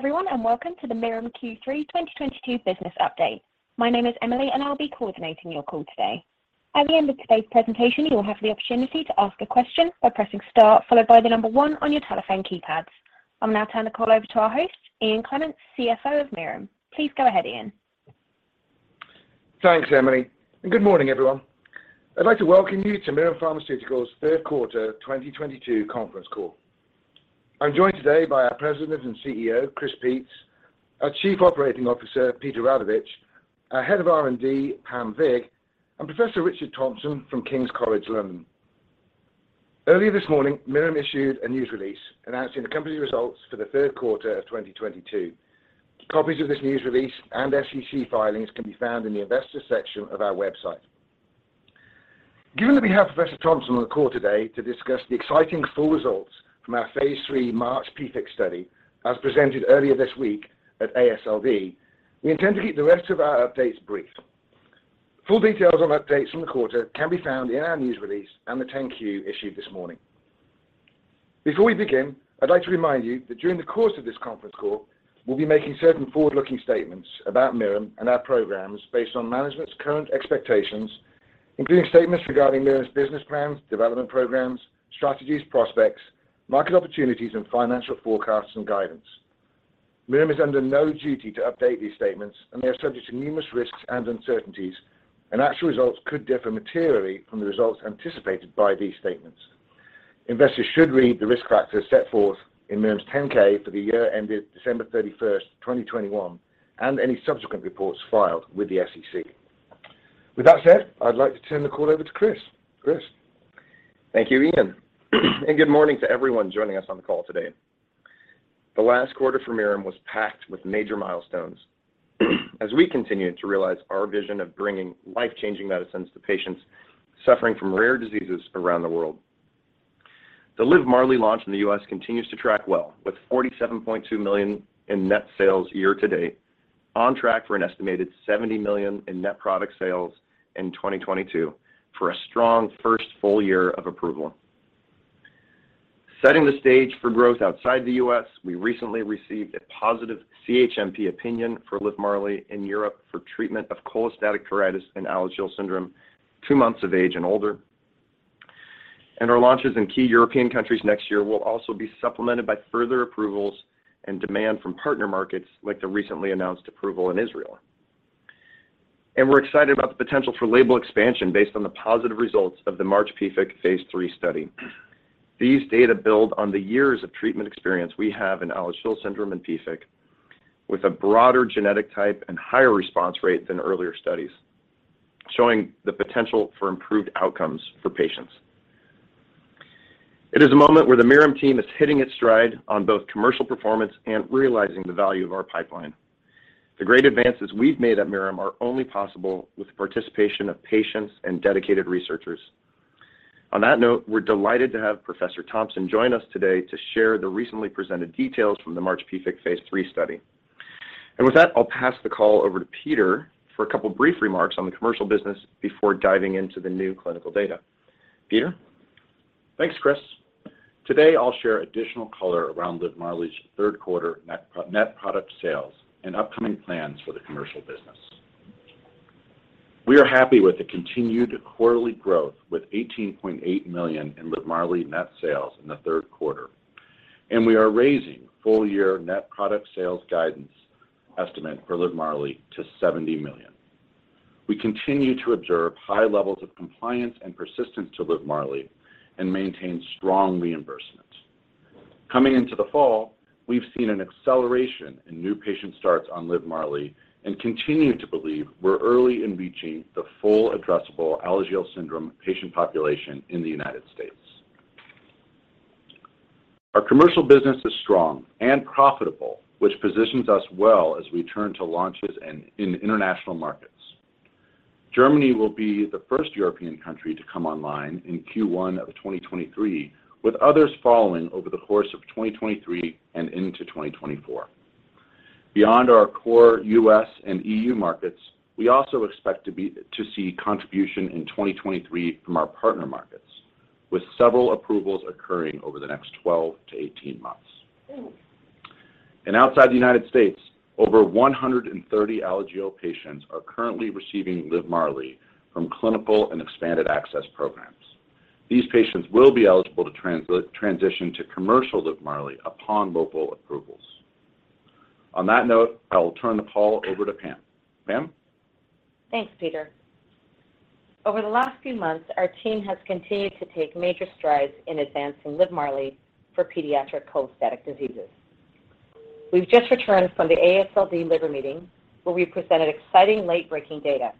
Hello, everyone, and welcome to the Mirum Q3 2022 business update. My name is Emily, and I'll be coordinating your call today. At the end of today's presentation, you will have the opportunity to ask a question by pressing star followed by the number one on your telephone keypads. I'll now turn the call over to our host, Ian Clements, CFO of Mirum. Please go ahead, Ian. Thanks, Emily, and good morning, everyone. I'd like to welcome you to Mirum Pharmaceuticals' Third Quarter 2022 Conference Call. I'm joined today by our President and CEO, Chris Peetz, our Chief Operating Officer, Peter Radovich, our Head of R&D, Pam Vig, and Professor Richard Thompson from King's College London. Early this morning, Mirum issued a news release announcing the company's results for the third quarter of 2022. Copies of this news release and SEC filings can be found in the investors section of our website. Given that we have Professor Thompson on the call today to discuss the exciting full results from our Phase III MARCH-PFIC study, as presented earlier this week at AASLD, we intend to keep the rest of our updates brief. Full details on updates from the quarter can be found in our news release and the 10-Q issued this morning. Before we begin, I'd like to remind you that during the course of this conference call, we'll be making certain forward-looking statements about Mirum and our programs based on management's current expectations, including statements regarding Mirum's business plans, development programs, strategies, prospects, market opportunities, and financial forecasts and guidance. Mirum is under no duty to update these statements, and they are subject to numerous risks and uncertainties, and actual results could differ materially from the results anticipated by these statements. Investors should read the risk factors set forth in Mirum's 10-K for the year ended December 31st, 2021, and any subsequent reports filed with the SEC. With that said, I'd like to turn the call over to Chris. Chris. Thank you, Ian. Good morning to everyone joining us on the call today. The last quarter for Mirum was packed with major milestones as we continued to realize our vision of bringing life-changing medicines to patients suffering from rare diseases around the world. The Livmarli launch in the U.S. continues to track well, with $47.2 million in net sales year to date, on track for an estimated $70 million in net product sales in 2022 for a strong first full year of approval. Setting the stage for growth outside the U.S., we recently received a positive CHMP opinion for Livmarli in Europe for treatment of cholestatic pruritus in Alagille syndrome, 2 months of age and older. Our launches in key European countries next year will also be supplemented by further approvals and demand from partner markets like the recently announced approval in Israel. We're excited about the potential for label expansion based on the positive results of the MARCH-PFIC phase III study. These data build on the years of treatment experience we have in Alagille syndrome and PFIC with a broader genetic type and higher response rate than earlier studies, showing the potential for improved outcomes for patients. It is a moment where the Mirum team is hitting its stride on both commercial performance and realizing the value of our pipeline. The great advances we've made at Mirum are only possible with the participation of patients and dedicated researchers. On that note, we're delighted to have Professor Thompson join us today to share the recently presented details from the MARCH-PFIC Phase III study. With that, I'll pass the call over to Peter for a couple of brief remarks on the commercial business before diving into the new clinical data. Peter? Thanks, Chris. Today, I'll share additional color around Livmarli's third quarter net product sales and upcoming plans for the commercial business. We are happy with the continued quarterly growth with $18.8 million in Livmarli net sales in the third quarter. We are raising full year net product sales guidance estimate for Livmarli to $70 million. We continue to observe high levels of compliance and persistence to Livmarli and maintain strong reimbursements. Coming into the fall, we've seen an acceleration in new patient starts on Livmarli and continue to believe we're early in reaching the full addressable Alagille syndrome patient population in the United States. Our commercial business is strong and profitable, which positions us well as we turn to launches in international markets. Germany will be the first European country to come online in Q1 of 2023, with others following over the course of 2023 and into 2024. Beyond our core U.S. and E.U. markets, we also expect to see contribution in 2023 from our partner markets, with several approvals occurring over the next 12-18 months. Outside the United States, over 130 Alagille patients are currently receiving Livmarli from clinical and expanded access programs. These patients will be eligible to transition to commercial Livmarli upon local approvals. On that note, I will turn the call over to Pam. Pam? Thanks, Peter. Over the last few months, our team has continued to take major strides in advancing Livmarli for pediatric cholestatic diseases. We've just returned from the AASLD Liver Meeting where we presented exciting late-breaking data.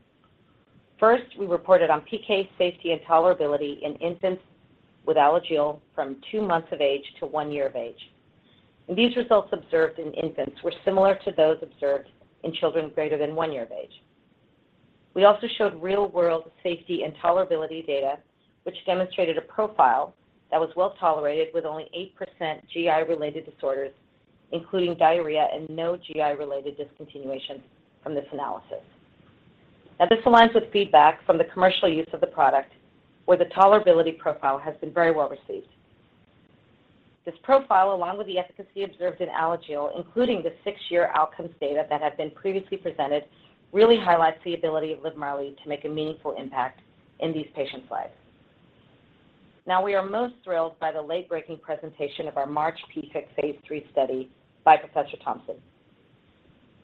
First, we reported on PK safety and tolerability in infants with Alagille from 2 months of age to 1 year of age. These results observed in infants were similar to those observed in children greater than 1 year of age. We also showed real-world safety and tolerability data, which demonstrated a profile that was well-tolerated with only 8% GI-related disorders, including diarrhea and no GI-related discontinuation from this analysis. Now this aligns with feedback from the commercial use of the product where the tolerability profile has been very well received. This profile, along with the efficacy observed in Alagille, including the six-year outcomes data that have been previously presented, really highlights the ability of Livmarli to make a meaningful impact in these patients' lives. Now, we are most thrilled by the late-breaking presentation of our MARCH-PFIC Phase III study by Professor Thompson.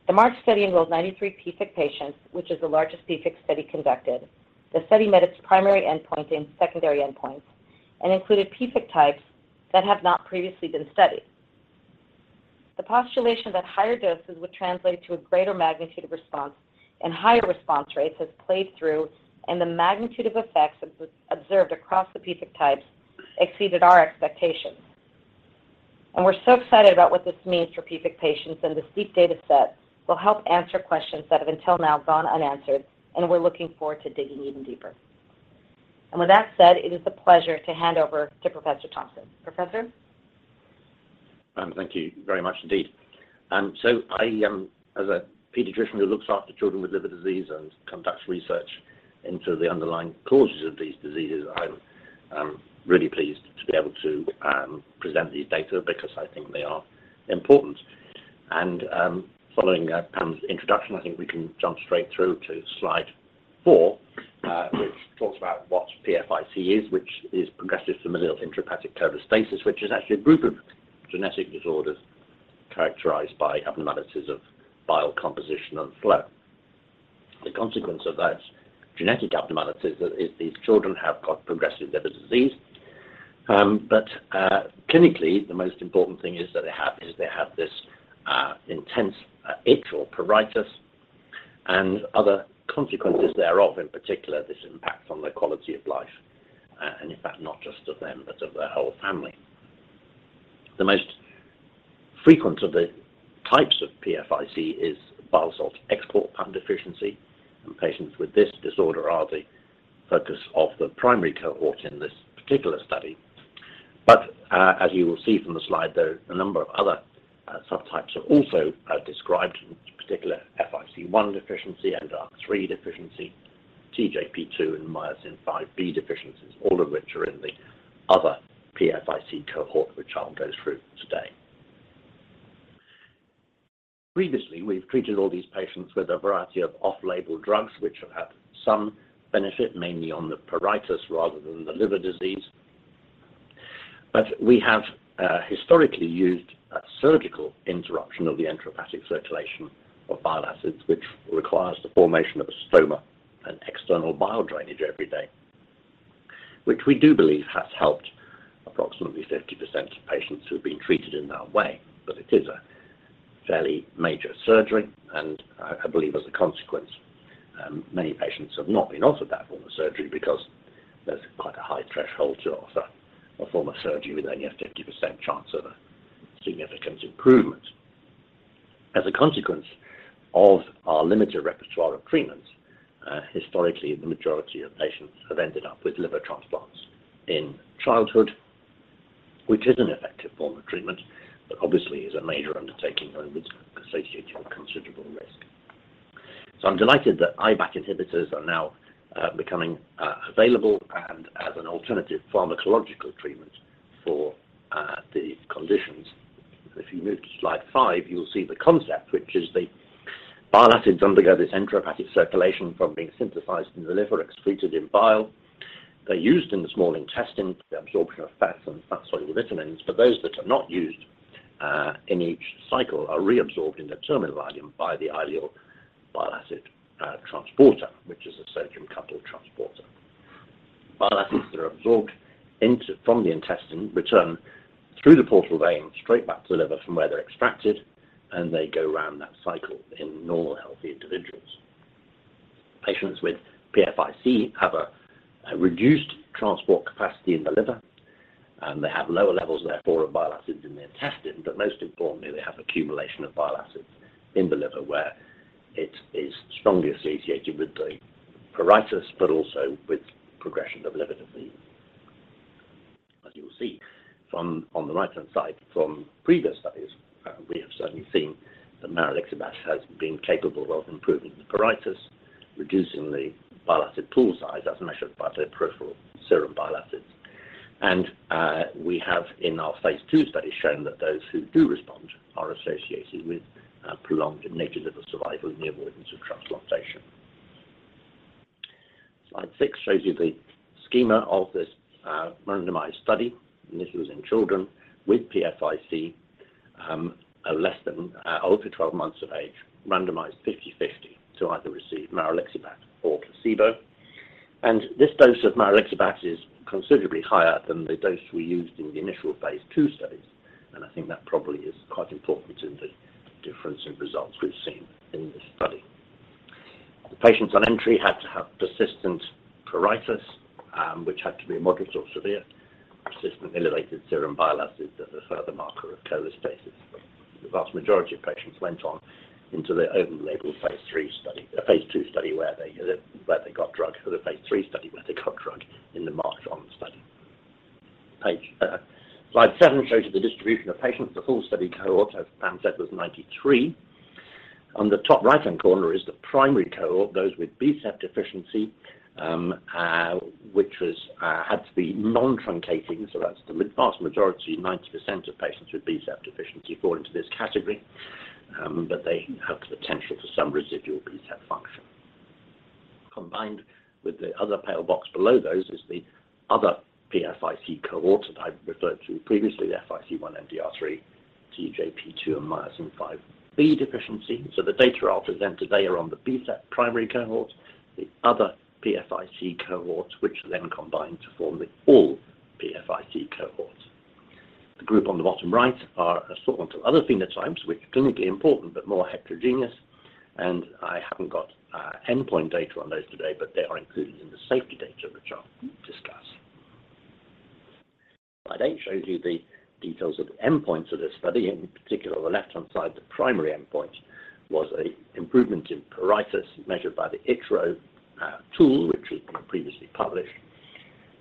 The MARCH study enrolled 93 PFIC patients, which is the largest PFIC study conducted. The study met its primary endpoint and secondary endpoints and included PFIC types that have not previously been studied. The postulation that higher doses would translate to a greater magnitude of response and higher response rates has played through, and the magnitude of effects observed across the PFIC types exceeded our expectations. We're so excited about what this means for PFIC patients, and this deep data set will help answer questions that have until now gone unanswered, and we're looking forward to digging even deeper. With that said, it is a pleasure to hand over to Professor Thompson. Professor. Pam, thank you very much indeed. So I, as a pediatrician who looks after children with liver disease and conducts research into the underlying causes of these diseases, I'm really pleased to be able to present these data because I think they are important. Following Pam's introduction, I think we can jump straight through to slide 4, which talks about what PFIC is, which is progressive familial intrahepatic cholestasis, which is actually a group of genetic disorders characterized by abnormalities of bile composition and flow. The consequence of those genetic abnormalities is these children have got progressive liver disease. Clinically, the most important thing is they have this intense itch or pruritus and other consequences thereof. In particular, this impacts on their quality of life, and in fact not just of them, but of their whole family. The most frequent of the types of PFIC is Bile Salt Export Pump deficiency. Patients with this disorder are the focus of the primary cohort in this particular study. As you will see from the slide, there's a number of other subtypes are also described. In particular, FIC1 deficiency, MDR3 deficiency, TJP2, and Myosin 5B deficiencies, all of which are in the other PFIC cohort which I'll go through today. Previously, we've treated all these patients with a variety of off-label drugs which have had some benefit, mainly on the pruritus rather than the liver disease. We have historically used a surgical interruption of the enterohepatic circulation of bile acids, which requires the formation of a stoma and external bile drainage every day. Which we do believe has helped approximately 50% of patients who have been treated in that way. It is a fairly major surgery, and I believe as a consequence, many patients have not been offered that form of surgery because there's quite a high threshold to offer a form of surgery with only a 50% chance of a significant improvement. As a consequence of our limited repertoire of treatments, historically, the majority of patients have ended up with liver transplants in childhood, which is an effective form of treatment, but obviously is a major undertaking and with associated considerable risk. I'm delighted that IBAT inhibitors are now becoming available and as an alternative pharmacological treatment for the conditions. If you move to slide 5, you'll see the concept, which is the bile acids undergo this enterohepatic circulation from being synthesized in the liver, excreted in bile. They're used in the small intestine for the absorption of fats and fat-soluble vitamins. But those that are not used in each cycle are reabsorbed in the terminal ileum by the ileal bile acid transporter, which is a sodium-coupled transporter. Bile acids that are absorbed from the intestine return through the portal vein straight back to the liver from where they're extracted, and they go round that cycle in normal healthy individuals. Patients with PFIC have a reduced transport capacity in the liver, and they have lower levels, therefore, of bile acids in the intestine. Most importantly, they have accumulation of bile acids in the liver where it is strongly associated with the pruritus, but also with progression of liver disease. As you will see on the right-hand side from previous studies, we have certainly seen that maralixibat has been capable of improving the pruritus, reducing the bile acid pool size as measured by the peripheral serum bile acids. We have in our phase II study shown that those who do respond are associated with prolonged native liver survival and the avoidance of transplantation. Slide 6 shows you the schema of this randomized study. This was in children with PFIC over 12 months of age, randomized 50/50 to either receive maralixibat or placebo. This dose of maralixibat is considerably higher than the dose we used in the initial phase II studies. I think that probably is quite important in the difference in results we've seen in this study. The patients on entry had to have persistent pruritus, which had to be moderate or severe, persistent elevated serum bile acids as a further marker of cholestasis. The vast majority of patients went on into the open-label phase II study where they got drug for the phase III study where they got drug in the MARCH study. Page, slide 7 shows you the distribution of patients. The full study cohort, as Pam said, was 93. On the top right-hand corner is the primary cohort, those with BSEP deficiency, which had to be non-truncating. So that's the vast majority, 90% of patients with BSEP deficiency fall into this category, but they have the potential for some residual BSEP function. Combined with the other pale box below those is the other PFIC cohort that I referred to previously, the FIC1, MDR3, TJP2 and Myosin 5B deficiency. The data are presented, they are on the BSEP primary cohorts, the other PFIC cohorts, which then combine to form the all PFIC cohorts. The group on the bottom right are assortment of other phenotypes, which are clinically important but more heterogeneous, and I haven't got endpoint data on those today, but they are included in the safety data which I'll discuss. Slide 8 shows you the details of the endpoints of this study. In particular, the left-hand side, the primary endpoint was an improvement in pruritus measured by the ItchRO tool, which has been previously published,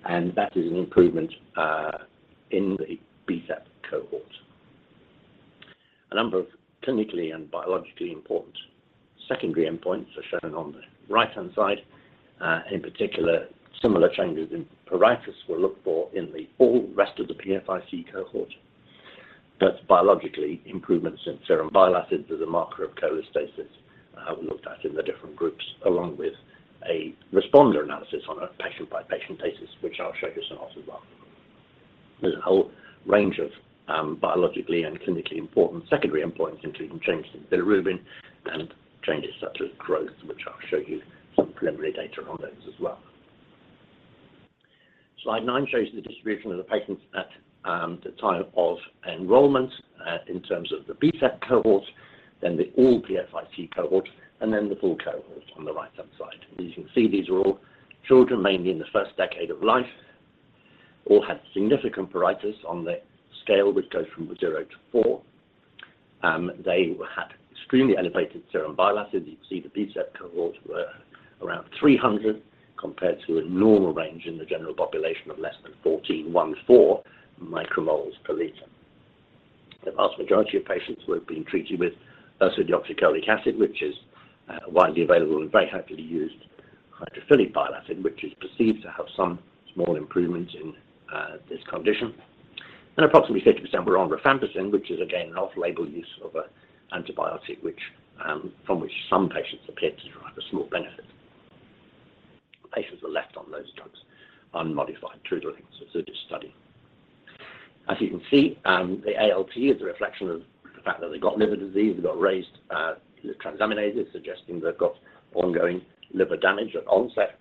and that is an improvement in the BSEP cohort. A number of clinically and biologically important secondary endpoints are shown on the right-hand side. In particular, similar changes in pruritus were looked for in all the rest of the PFIC cohort. That's biologically improvements in serum bile acids as a marker of cholestasis, looked at in the different groups, along with a responder analysis on a patient-by-patient basis, which I'll show you some odds as well. There's a whole range of biologically and clinically important secondary endpoints, including changes in bilirubin and changes such as growth, which I'll show you some preliminary data on those as well. Slide 9 shows the distribution of the patients at the time of enrollment, in terms of the BSEP cohorts, then the all PFIC cohorts, and then the full cohort on the right-hand side. As you can see, these are all children mainly in the first decade of life. All had significant pruritus on the scale which goes from 0-4. They had extremely elevated serum bile acids. You can see the BSEP cohorts were around 300 compared to a normal range in the general population of less than 14 micromoles per liter. The vast majority of patients were being treated with ursodeoxycholic acid, which is widely available and very happily used chenodeoxycholic acid, which is perceived to have some small improvements in this condition. Approximately 50% were on rifampicin, which is again, an off-label use of an antibiotic from which some patients appear to derive a small benefit. Patients were left on those drugs unmodified through the rest of this study. As you can see, the ALT is a reflection of the fact that they got liver disease. They got raised transaminases suggesting they've got ongoing liver damage at onset.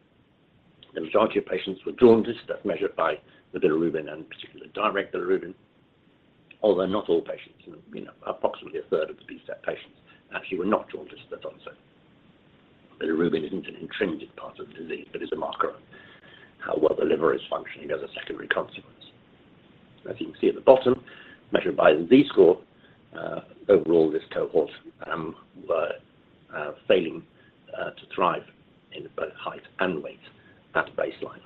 The majority of patients were jaundiced as measured by the bilirubin, and in particular, direct bilirubin. Although not all patients, you know, approximately a third of the BSEP patients actually were not jaundiced at onset. Bilirubin isn't an intrinsic part of the disease, but is a marker of how well the liver is functioning as a secondary consequence. As you can see at the bottom, measured by the Z-score, overall this cohort were failing to thrive in both height and weight at baseline.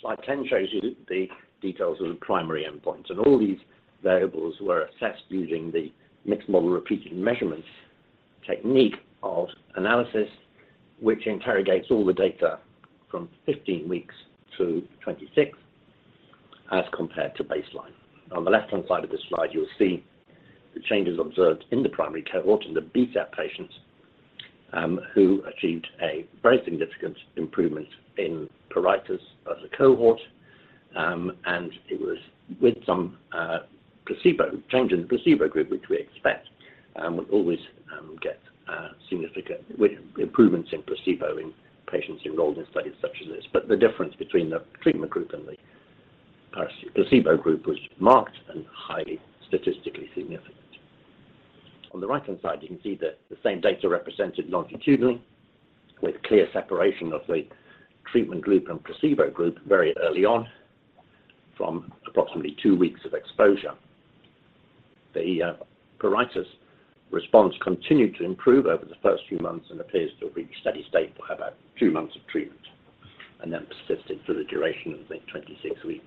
Slide 10 shows you the details of the primary endpoints, and all these variables were assessed using the mixed-model repeated measurements technique of analysis, which interrogates all the data from 15 weeks to 26 as compared to baseline. On the left-hand side of the slide, you'll see the changes observed in the primary cohort in the BSEP patients who achieved a very significant improvement in pruritus as a cohort. It was with some placebo change in the placebo group, which we expect will always get significant improvements in placebo in patients enrolled in studies such as this. The difference between the treatment group and the placebo group was marked and highly statistically significant. On the right-hand side, you can see the same data represented longitudinally with clear separation of the treatment group and placebo group very early on from approximately 2 weeks of exposure. The pruritus response continued to improve over the first few months and appears to have reached steady state for about 2 months of treatment, and then persisted for the duration of the 26-week study.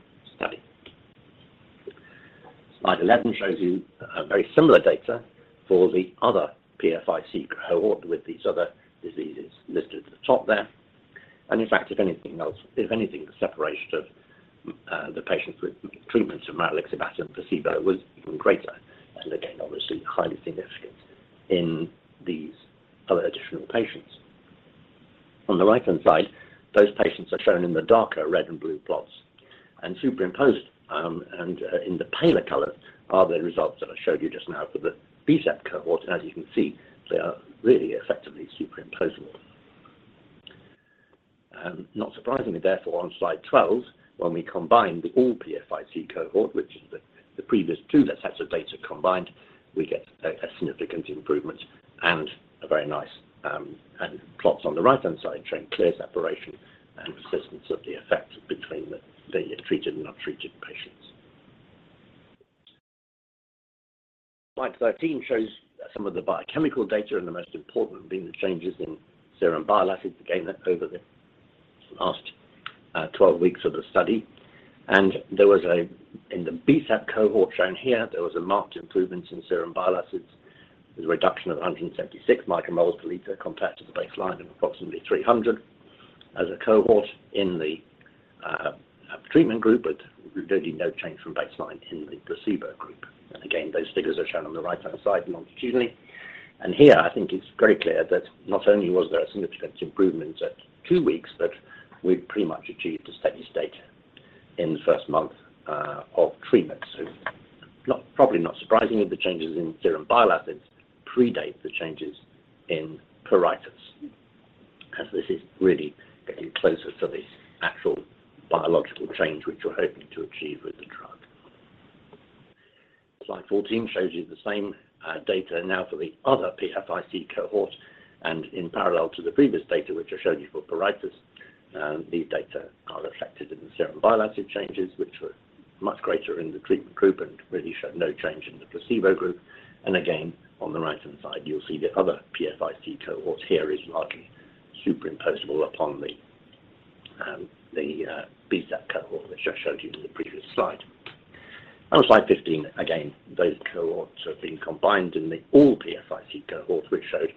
Slide 11 shows you very similar data for the other PFIC cohort with these other diseases listed at the top there. In fact, if anything, the separation of the patients with treatments of maralixibat and placebo was even greater, and again, obviously highly significant in these other additional patients. On the right-hand side, those patients are shown in the darker red and blue plots, and superimposed in the paler color are the results that I showed you just now for the BSEP cohort. As you can see, they are really effectively superimposable. Not surprisingly, therefore, on slide 12, when we combine the all PFIC cohort, which is the previous two sets of data combined, we get a significant improvement and a very nice and plots on the right-hand side showing clear separation and persistence of the effect between the treated and untreated patients. Slide 13 shows some of the biochemical data, and the most important being the changes in serum bile acids, again, over the last 12 weeks of the study. In the BSEP cohort shown here, there was a marked improvement in serum bile acids, with a reduction of 176 micromoles per liter compared to the baseline of approximately 300 as a cohort in the treatment group, but really no change from baseline in the placebo group. Again, those figures are shown on the right-hand side longitudinally. Here, I think it's very clear that not only was there a significant improvement at 2 weeks, but we'd pretty much achieved a steady state in the first month of treatment. Probably not surprising that the changes in serum bile acids predate the changes in pruritus, as this is really getting closer to the actual biological change which we're hoping to achieve with the drug. Slide 14 shows you the same data now for the other PFIC cohort. In parallel to the previous data which I showed you for pruritus, these data are reflected in the serum bile acid changes, which were much greater in the treatment group and really showed no change in the placebo group. Again, on the right-hand side, you'll see the other PFIC cohorts here is largely superimposable upon the BSEP cohort, which I showed you in the previous slide. On slide 15, again, those cohorts have been combined in the all PFIC cohorts, which showed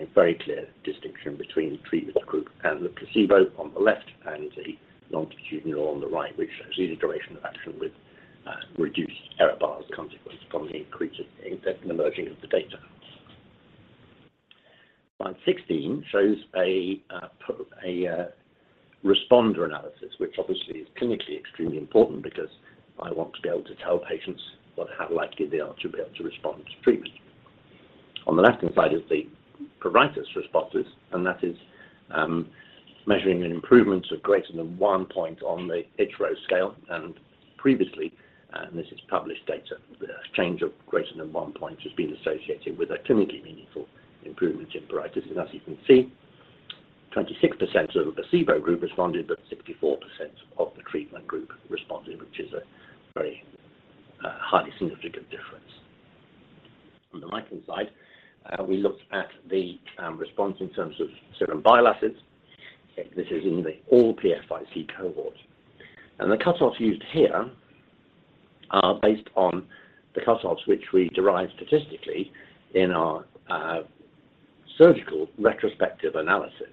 a very clear distinction between the treatment group and the placebo on the left and the longitudinal on the right, which shows the duration of action with reduced error bars as a consequence of the increased enrollment of the data. Slide 16 shows a responder analysis, which obviously is clinically extremely important because I want to be able to tell patients what how likely they are to be able to respond to treatment. On the left-hand side is the pruritus responses, and that is measuring an improvement of greater than 1 point on the ItchRO scale. Previously, and this is published data, a change of greater than 1 point has been associated with a clinically meaningful improvement in pruritus. As you can see, 26% of the placebo group responded, but 64% of the treatment group responded, which is a very highly significant difference. On the right-hand side, we looked at the response in terms of serum bile acids. This is in the all PFIC cohort. The cutoffs used here are based on the cutoffs which we derived statistically in our surgical retrospective analysis.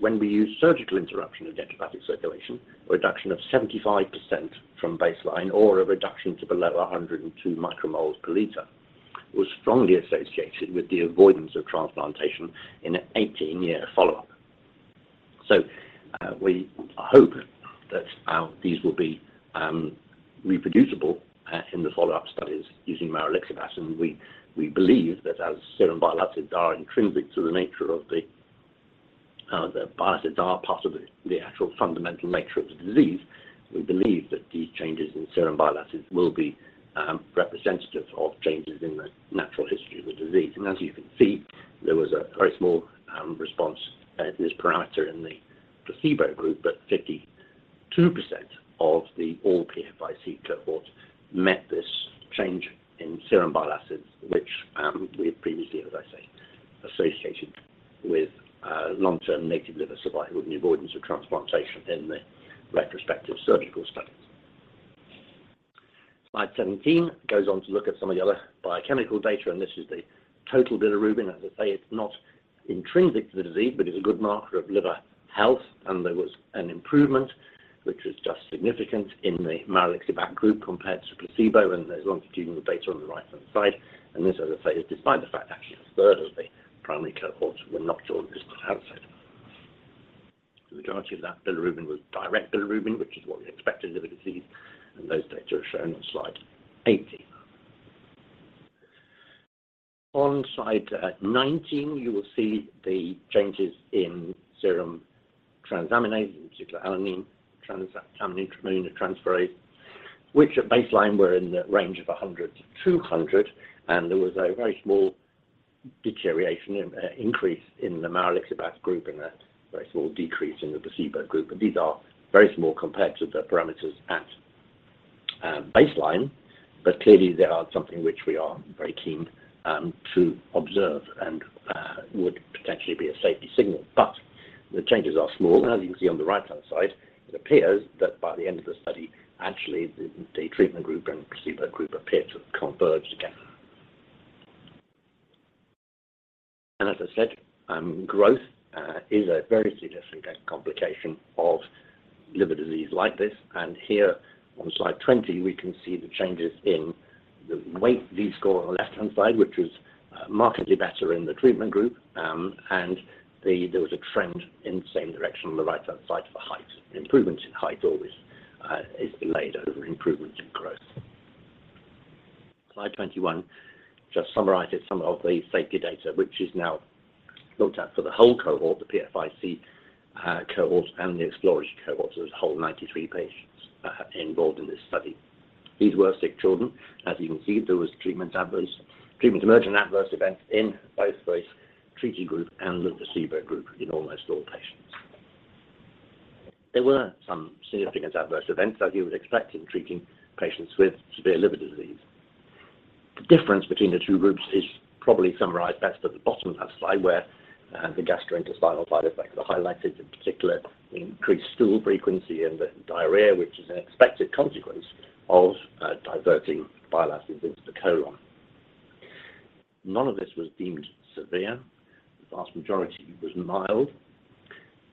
When we use surgical interruption of enterohepatic circulation, a reduction of 75% from baseline or a reduction to below 102 micromoles per liter was strongly associated with the avoidance of transplantation in an 18-year follow-up. We hope that these will be reproducible in the follow-up studies using maralixibat, and we believe that as serum bile acids are intrinsic to the nature of the bile acids are part of the actual fundamental nature of the disease. We believe that these changes in serum bile acids will be representative of changes in the natural history of the disease. As you can see, there was a very small response at this parameter in the placebo group, but 52% of the all PFIC cohorts met this change in serum bile acids, which we had previously, as I say, associated with long-term native liver survival and the avoidance of transplantation in the retrospective surgical studies. Slide 17 goes on to look at some of the other biochemical data, and this is the total bilirubin. As I say, it's not intrinsic to the disease, but it's a good marker of liver health. There was an improvement which was just significant in the maralixibat group compared to placebo. There's longitudinal data on the right-hand side. This, as I say, is despite the fact that actually a third of the primary cohorts were not children with the disease, and those data are shown on slide 18. On slide 19, you will see the changes in serum transaminase, in particular alanine transaminase, aminotransferase, which at baseline were in the range of 100-200. There was a very small deterioration, increase in the maralixibat group and a very small decrease in the placebo group. These are very small compared to the parameters at baseline. Clearly, they are something which we are very keen to observe and would potentially be a safety signal. The changes are small, and as you can see on the right-hand side, it appears that by the end of the study, actually the treatment group and placebo group appear to have converged again. As I said, growth is a very serious complication of liver disease like this. Here on slide 20, we can see the changes in the weight Z-score on the left-hand side, which was markedly better in the treatment group. There was a trend in the same direction on the right-hand side for height. Improvements in height always is delayed over improvements in growth. Slide 21 just summarizes some of the safety data, which is now looked at for the whole cohort, the PFIC cohort and the exploratory cohort. There's a whole 93 patients involved in this study. These were sick children. As you can see, there was treatment-emergent adverse events in both the treatment group and the placebo group in almost all patients. There were some significant adverse events as you would expect in treating patients with severe liver disease. The difference between the two groups is probably summarized best at the bottom of that slide where the gastrointestinal side effects are highlighted, in particular increased stool frequency and diarrhea, which is an expected consequence of diverting bile acids into the colon. None of this was deemed severe. The vast majority was mild.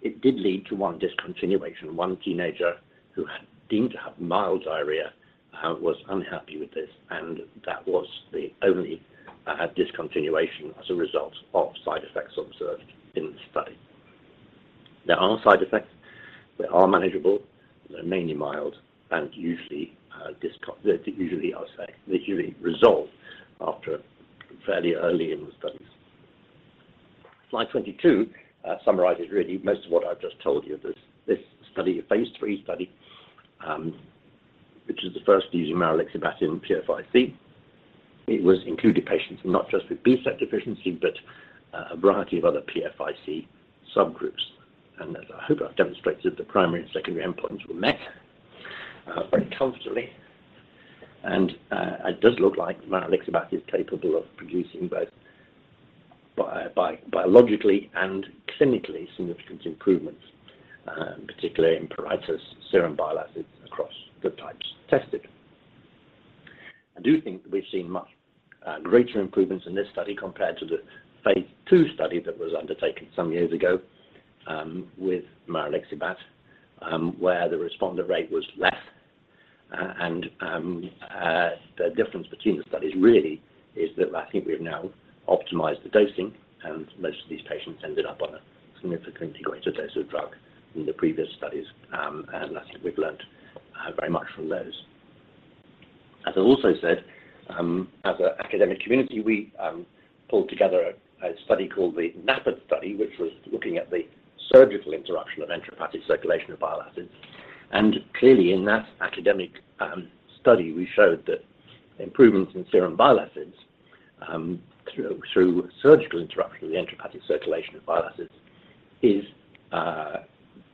It did lead to one discontinuation. One teenager who was deemed to have mild diarrhea was unhappy with this, and that was the only discontinuation as a result of side effects observed in the study. There are side effects. They are manageable. They're mainly mild and usually, I would say, they resolve fairly early in the studies. Slide 22 summarizes really most of what I've just told you. This study, a phase III study, which is the first using maralixibat in PFIC. It was including patients not just with BSEP deficiency, but a variety of other PFIC subgroups. As I hope I've demonstrated, the primary and secondary endpoints were met very comfortably. It does look like maralixibat is capable of producing both biologically and clinically significant improvements, particularly in pruritus serum bile acids across the types tested. I do think that we've seen much greater improvements in this study compared to the phase II study that was undertaken some years ago with maralixibat, where the responder rate was less. The difference between the studies really is that I think we've now optimized the dosing, and most of these patients ended up on a significantly greater dose of drug than the previous studies. I think we've learned very much from those. As I also said, as an academic community, we pulled together a study called the NAPPED study, which was looking at the surgical interruption of enterohepatic circulation of bile acids. Clearly, in that academic study, we showed that improvements in serum bile acids through surgical interruption of the enterohepatic circulation of bile acids is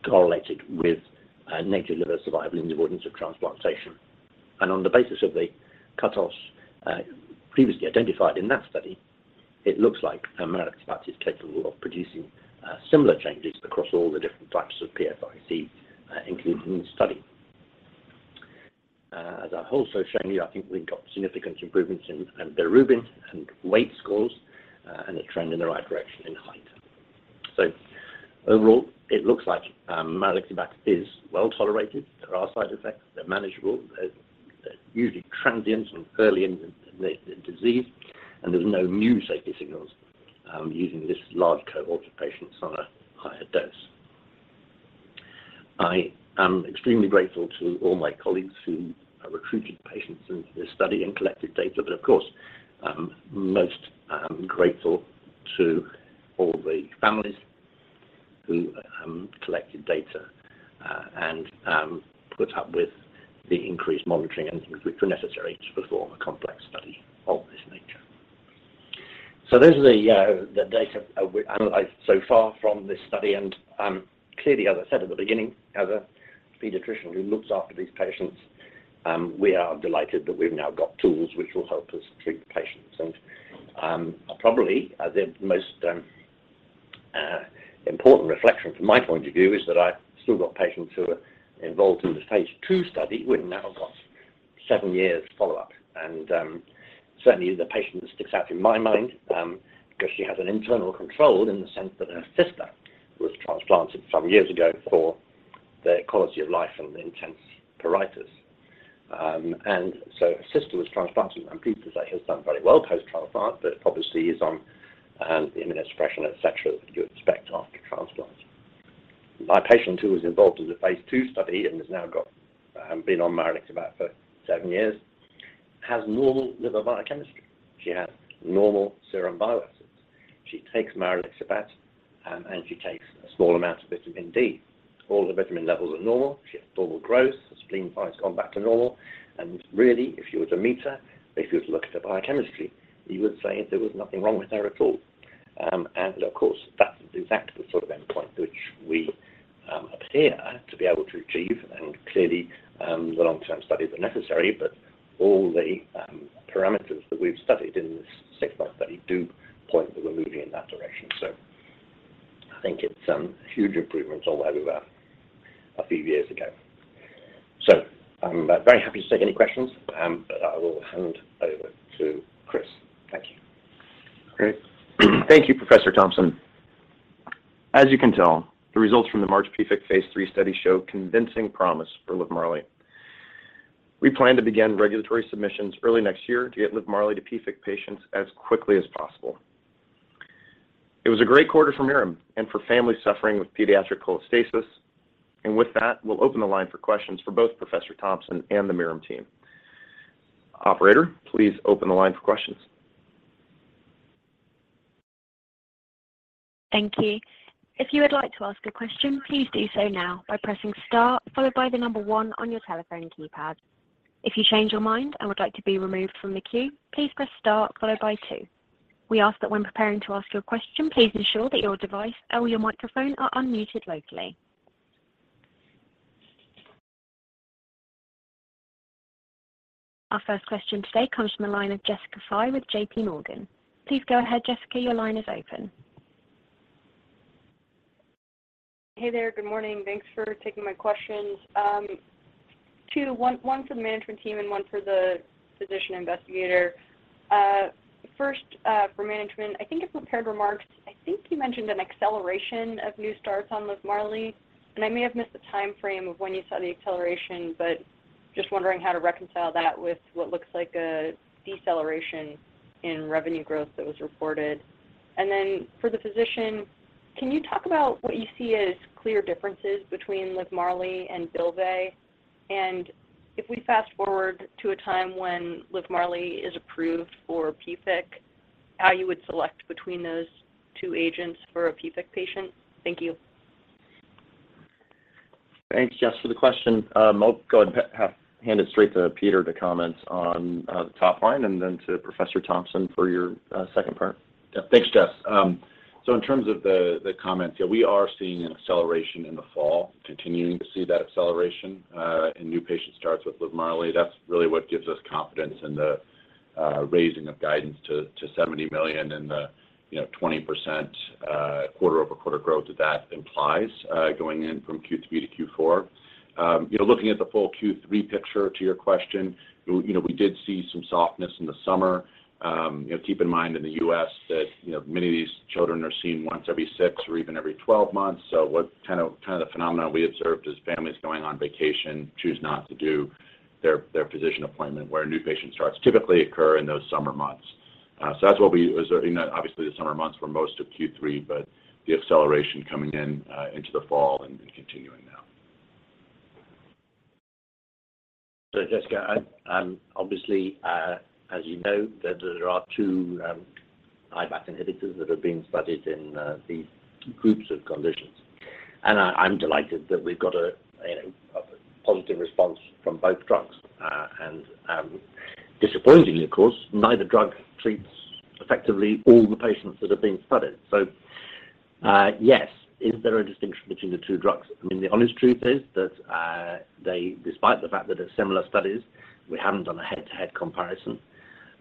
correlated with native liver survival in the avoidance of transplantation. On the basis of the cutoffs previously identified in that study, it looks like maralixibat is capable of producing similar changes across all the different types of PFIC, including this study. As I've also shown you, I think we've got significant improvements in bilirubin and weight scores and a trend in the right direction in height. Overall, it looks like maralixibat is well-tolerated. There are side effects. They're manageable. They're usually transient and early in the disease, and there's no new safety signals using this large cohort of patients on a higher dose. I am extremely grateful to all my colleagues who recruited patients into this study and collected data, but of course, most grateful to all the families who collected data and put up with the increased monitoring and things which were necessary to perform a complex study of this nature. Those are the data we analyzed so far from this study. Clearly, as I said at the beginning, as a pediatrician who looks after these patients, we are delighted that we've now got tools which will help us treat the patients. Probably the most important reflection from my point of view is that I've still got patients who are involved in the phase II study. We've now got 7 years follow-up. Certainly the patient that sticks out in my mind because she has an internal control in the sense that her sister was transplanted some years ago for the quality of life and the intense pruritus. Her sister was transplanted and I'm pleased to say has done very well post-transplant, but obviously is on immunosuppression, et cetera that you would expect after transplant. My patient who was involved in the phase II study and has now got been on maralixibat for 7 years, has normal liver biochemistry. She has normal serum bile acids. She takes maralixibat and she takes a small amount of vitamin D. All her vitamin levels are normal. She has normal growth. Her spleen size has gone back to normal. Really, if you were to meet her, if you were to look at her biochemistry, you would say there was nothing wrong with her at all. Of course, that's exactly the sort of endpoint which we appear to be able to achieve. Clearly, the long-term studies are necessary, but all the parameters that we've studied in this six-month study do point that we're moving in that direction. I think it's huge improvements on where we were a few years ago. I'm very happy to take any questions. I will hand over to Chris. Thank you. Great. Thank you, Professor Thompson. As you can tell, the results from the MARCH-PFIC Phase III study show convincing promise for Livmarli. We plan to begin regulatory submissions early next year to get Livmarli to PFIC patients as quickly as possible. It was a great quarter for Mirum and for families suffering with pediatric cholestasis. With that, we'll open the line for questions for both Professor Thompson and the Mirum team. Operator, please open the line for questions. Thank you. If you would like to ask a question, please do so now by pressing star followed by one on your telephone keypad. If you change your mind and would like to be removed from the queue, please press star followed by two. We ask that when preparing to ask your question, please ensure that your device or your microphone are unmuted locally. Our first question today comes from the line of Jessica Fye with J.P. Morgan. Please go ahead, Jessica. Your line is open. Hey there. Good morning. Thanks for taking my questions. Two. One for the management team and one for the physician investigator. First, for management, I think in prepared remarks, I think you mentioned an acceleration of new starts on Livmarli, and I may have missed the time frame of when you saw the acceleration, but just wondering how to reconcile that with what looks like a deceleration in revenue growth that was reported. For the physician, can you talk about what you see as clear differences between Livmarli and Bylvay? If we fast-forward to a time when Livmarli is approved for PFIC, how you would select between those two agents for a PFIC patient? Thank you. Thanks, Jess, for the question. I'll go ahead and hand it straight to Peter to comment on the top line and then to Professor Thompson for your second part. Yeah. Thanks, Jess. So in terms of the comments, yeah, we are seeing an acceleration in the fall, continuing to see that acceleration in new patient starts with Livmarli. That's really what gives us confidence in the raising of guidance to $70 million and the 20% quarter-over-quarter growth that that implies going in from Q3 to Q4. You know, looking at the full Q3 picture to your question, you know, we did see some softness in the summer. You know, keep in mind in the U.S. that many of these children are seen once every 6 or even every 12 months. What kind of the phenomena we observed is families going on vacation choose not to do their physician appointment where new patient starts typically occur in those summer months. That's what we observed in, obviously, the summer months for most of Q3, but the acceleration coming in into the fall and continuing now. Jessica, I'm obviously, as you know, that there are two IBAT inhibitors that have been studied in these groups of conditions. I'm delighted that we've got a, you know, a positive response from both drugs. Disappointingly, of course, neither drug treats effectively all the patients that have been studied. Yes, is there a distinction between the two drugs? I mean, the honest truth is that they, despite the fact that they're similar studies, we haven't done a head-to-head comparison.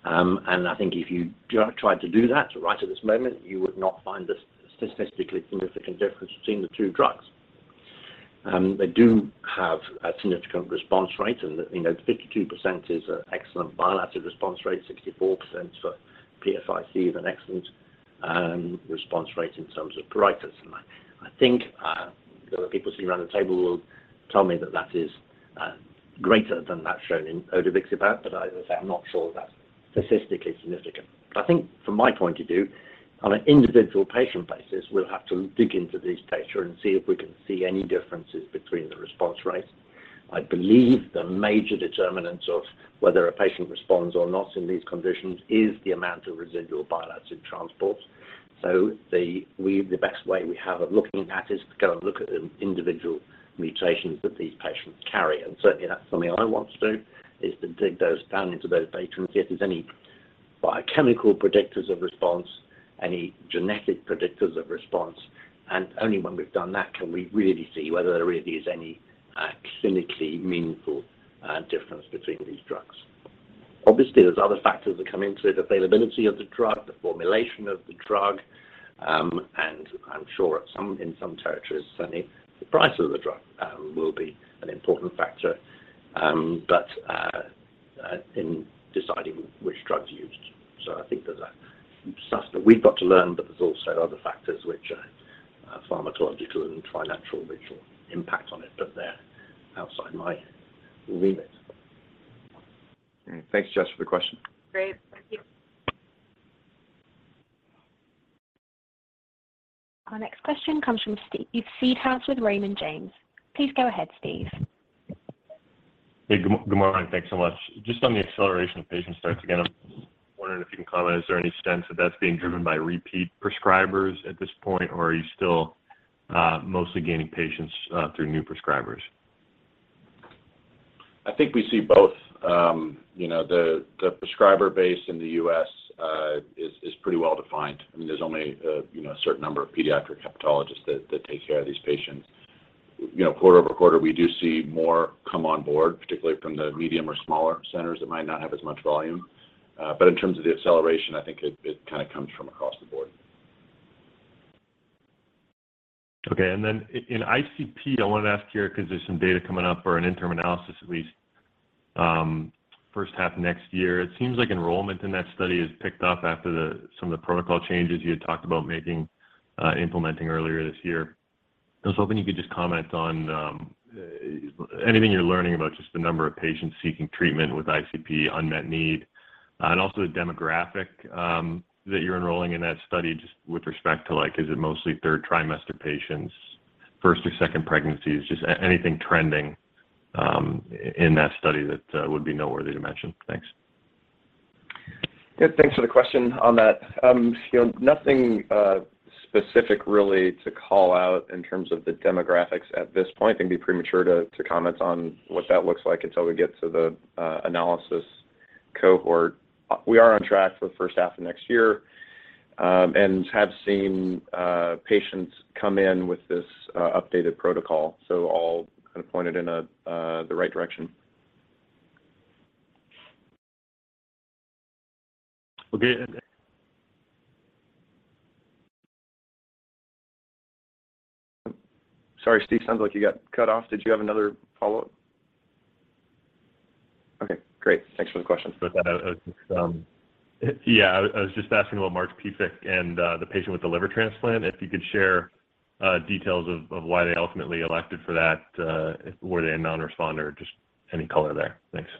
I think if you tried to do that right at this moment, you would not find a statistically significant difference between the two drugs. They do have a significant response rate, and you know, 52% is an excellent bile acid response rate, 64% for PFIC is an excellent response rate in terms of pruritus. I think the people sitting around the table will tell me that that is greater than that shown in odevixibat, but as I say, I'm not sure that's statistically significant. I think from my point of view, on an individual patient basis, we'll have to dig into these data and see if we can see any differences between the response rates. I believe the major determinants of whether a patient responds or not in these conditions is the amount of residual bile acid transport. The best way we have of looking at is to go and look at the individual mutations that these patients carry. Certainly that's something I want to do is to dig those down into those patients, see if there's any biochemical predictors of response, any genetic predictors of response. Only when we've done that can we really see whether there really is any clinically meaningful difference between these drugs. Obviously, there's other factors that come into it, availability of the drug, the formulation of the drug, and I'm sure in some territories, certainly the price of the drug will be an important factor, but in deciding which drug to use. I think there's a stuff that we've got to learn, but there's also other factors which are pharmacological and nutritional which will impact on it, but they're outside my remit. All right. Thanks, Jess, for the question. Great. Thank you. Our next question comes from Steven Seedhouse with Raymond James. Please go ahead, Steve. Hey, good morning. Thanks so much. Just on the acceleration of patient starts, again, I'm wondering if you can comment. Is there any sense that that's being driven by repeat prescribers at this point, or are you still mostly gaining patients through new prescribers? I think we see both. You know, the prescriber base in the U.S. is pretty well-defined. I mean, there's only, you know, a certain number of pediatric hepatologists that take care of these patients. You know, quarter-over-quarter, we do see more come on board, particularly from the medium or smaller centers that might not have as much volume. But in terms of the acceleration, I think it kind of comes from across the board. Okay. Then in ICP, I wanted to ask here because there's some data coming up or an interim analysis at least, first half of next year. It seems like enrollment in that study has picked up after some of the protocol changes you had talked about implementing earlier this year. I was hoping you could just comment on anything you're learning about just the number of patients seeking treatment with ICP unmet need and also the demographic that you're enrolling in that study just with respect to, like, is it mostly third trimester patients, first or second pregnancies, just anything trending in that study that would be noteworthy to mention. Thanks. Yeah. Thanks for the question on that. You know, nothing. Specific really to call out in terms of the demographics at this point, it can be premature to comment on what that looks like until we get to the analysis cohort. We are on track for the first half of next year, and have seen patients come in with this updated protocol. All kind of pointed in the right direction. Okay. Sorry, Steve, sounds like you got cut off. Did you have another follow-up? Okay, great. Thanks for the question. I was just asking about MARCH-PFIC and the patient with the liver transplant, if you could share details of why they ultimately elected for that, were they a non-responder? Just any color there. Thanks.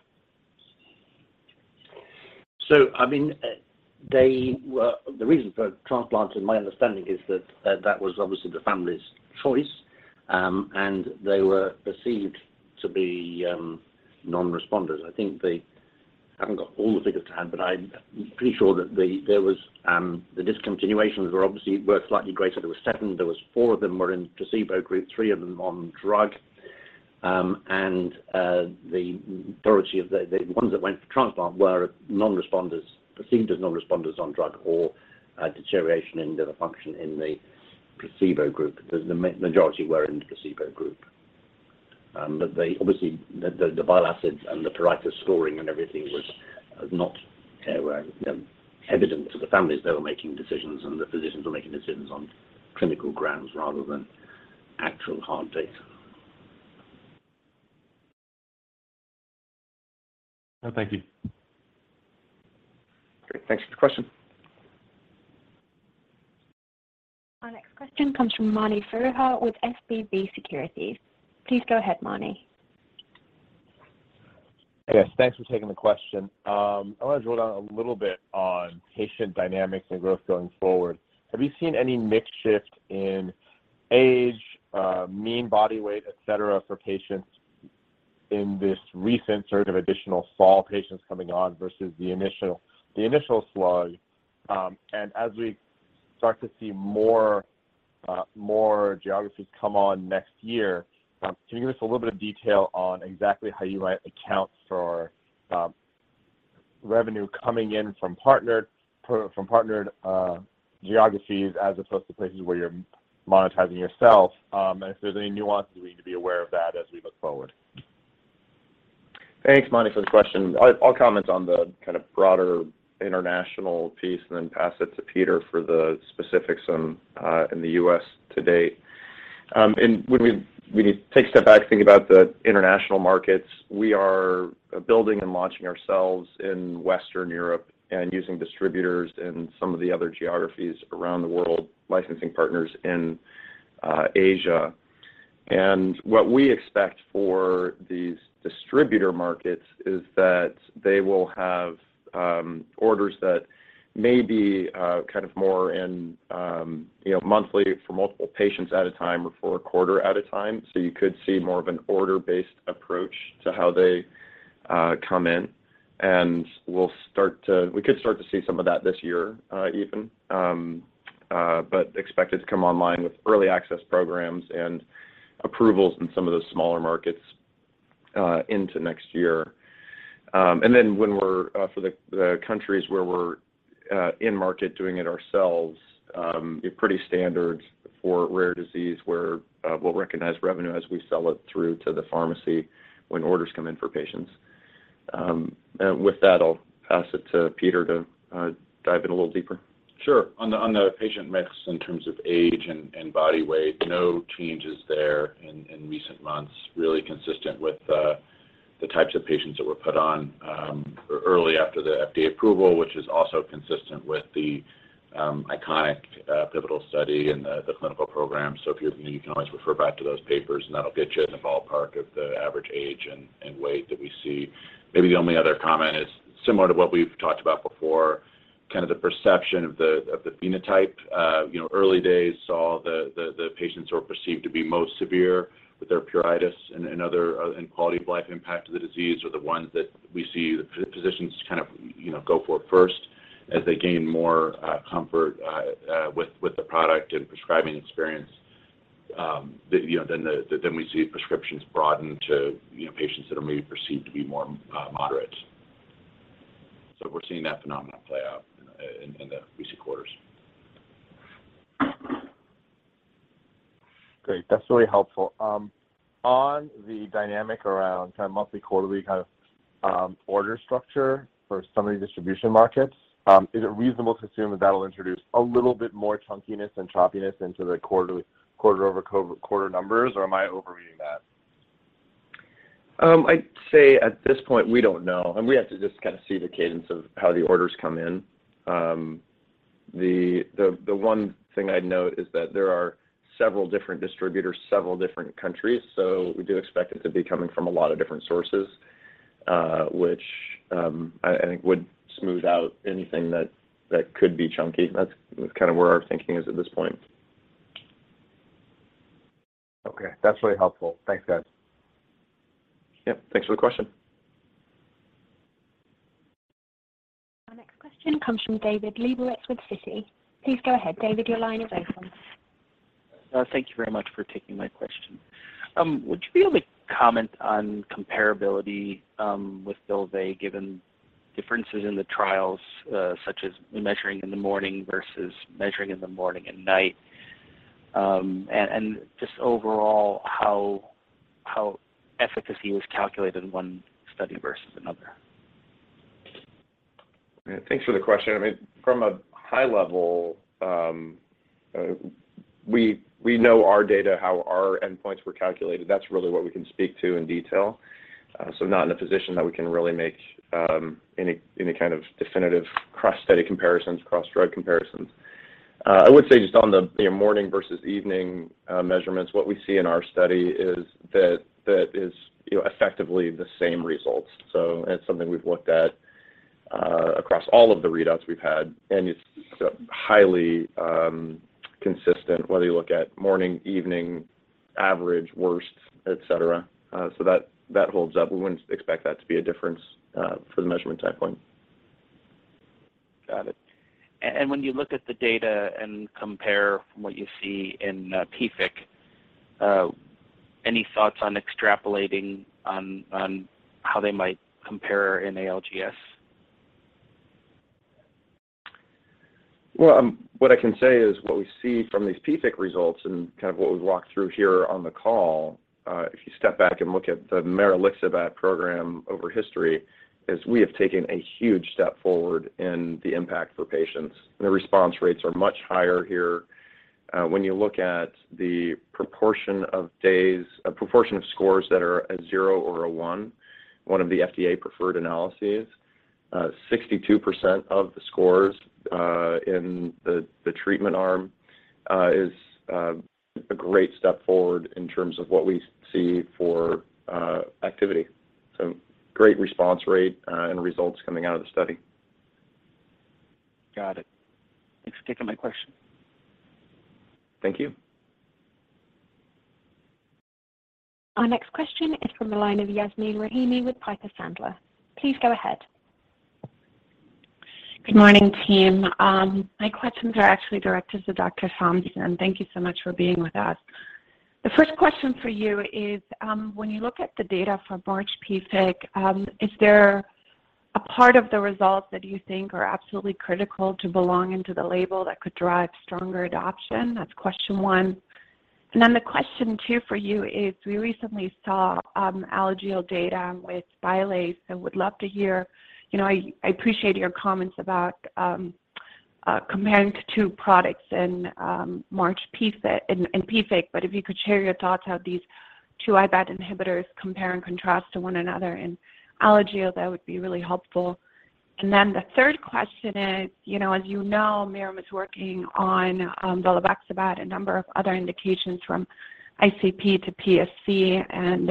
I mean, the reason for transplant, in my understanding, is that that was obviously the family's choice, and they were perceived to be non-responders. I think they haven't got all the figures to hand, but I'm pretty sure that there was the discontinuations were obviously slightly greater. There was 7. There were 4 of them in placebo group, 3 of them on drug. And the majority of the ones that went for transplant were non-responders, perceived as non-responders on drug or a deterioration in liver function in the placebo group. The majority were in the placebo group. But they obviously, the bile acids and the pruritus scoring and everything was not evident to the families. They were making decisions, and the physicians were making decisions on clinical grounds rather than actual hard data. No, thank you. Great. Thanks for the question. Our next question comes from Mani Foroohar with SVB Securities. Please go ahead, Mani. Yes. Thanks for taking the question. I wanna drill down a little bit on patient dynamics and growth going forward. Have you seen any mix shift in age, mean body weight, et cetera, for patients in this recent sort of additional fall patients coming on versus the initial slug? As we start to see more geographies come on next year, can you give us a little bit of detail on exactly how you might account for revenue coming in from partnered geographies as opposed to places where you're monetizing yourself? If there's any nuances we need to be aware of that as we look forward. Thanks, Mani, for the question. I'll comment on the kind of broader international piece and then pass it to Peter for the specifics on in the U.S. to date. When you take a step back to think about the international markets, we are building and launching ourselves in Western Europe and using distributors in some of the other geographies around the world, licensing partners in Asia. What we expect for these distributor markets is that they will have orders that may be kind of more in, you know, monthly for multiple patients at a time or for a quarter at a time. You could see more of an order-based approach to how they come in, and we could start to see some of that this year, even. Expect it to come online with early access programs and approvals in some of the smaller markets into next year. When we're in the countries where we're in market doing it ourselves, pretty standard for rare disease where we'll recognize revenue as we sell it through to the pharmacy when orders come in for patients. With that, I'll pass it to Peter to dive in a little deeper. Sure. On the patient mix in terms of age and body weight, no changes there in recent months, really consistent with the types of patients that were put on early after the FDA approval, which is also consistent with the ICONIC pivotal study and the clinical program. If you need, you can always refer back to those papers, and that'll get you in the ballpark of the average age and weight that we see. Maybe the only other comment is similar to what we've talked about before, kind of the perception of the phenotype. You know, early days saw the patients who are perceived to be most severe with their pruritus and other quality of life impact of the disease are the ones that we see the physicians kind of, you know, go for first as they gain more comfort with the product and prescribing experience. You know, then we see prescriptions broaden to, you know, patients that are maybe perceived to be more moderate. We're seeing that phenomenon play out in the recent quarters. Great. That's really helpful. On the dynamic around kind of monthly, quarterly kind of, order structure for some of these distribution markets, is it reasonable to assume that that'll introduce a little bit more chunkiness and choppiness into the quarterly, quarter-over-quarter numbers, or am I overreading that? I'd say at this point, we don't know, and we have to just kind of see the cadence of how the orders come in. The one thing I'd note is that there are several different distributors, several different countries, so we do expect it to be coming from a lot of different sources, which I think would smooth out anything that could be chunky. That's kind of where our thinking is at this point. Okay. That's really helpful. Thanks, guys. Yep. Thanks for the question. Our next question comes from David Lebowitz with Citi. Please go ahead, David, your line is open. Thank you very much for taking my question. Would you be able to comment on comparability with Bylvay given differences in the trials, such as measuring in the morning versus measuring in the morning and night, and just overall how efficacy was calculated in one study versus another? Yeah. Thanks for the question. I mean, from a high level, we know our data, how our endpoints were calculated. That's really what we can speak to in detail. So not in a position that we can really make any kind of definitive cross-study comparisons, cross-drug comparisons. I would say just on the, you know, morning versus evening measurements, what we see in our study is that is, you know, effectively the same results. So it's something we've looked at across all of the readouts we've had, and it's highly consistent, whether you look at morning, evening, average, worst, et cetera. So that holds up. We wouldn't expect that to be a difference for the measurement time point. Got it. When you look at the data and compare from what you see in PFIC, any thoughts on extrapolating on how they might compare in ALGS? What I can say is what we see from these PFIC results and kind of what we've walked through here on the call, if you step back and look at the maralixibat program over history, is we have taken a huge step forward in the impact for patients. The response rates are much higher here. When you look at the proportion of scores that are a zero or a one of the FDA-preferred analyses, 62% of the scores in the treatment arm is a great step forward in terms of what we see for activity. Great response rate and results coming out of the study. Got it. Thanks for taking my question. Thank you. Our next question is from the line of Yasmeen Rahimi with Piper Sandler. Please go ahead. Good morning, team. My questions are actually directed to Dr. Thompson. Thank you so much for being with us. The first question for you is, when you look at the data for MARCH-PFIC, is there a part of the results that you think are absolutely critical to belong into the label that could drive stronger adoption? That's question one. Then the question two for you is we recently saw Alagille data with Bylvay and would love to hear. You know, I appreciate your comments about comparing the two products in MARCH-PFIC, but if you could share your thoughts how these two IBAT inhibitors compare and contrast to one another in Alagille, that would be really helpful. The third question is, you know, as you know, Mirum is working on volixibat, a number of other indications from ICP to PSC and